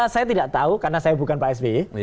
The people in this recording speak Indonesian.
saya tidak tahu karena saya bukan pak s b